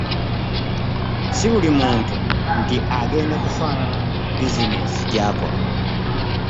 si buli muntu nti agenda kufaanana bizineesi gyakola.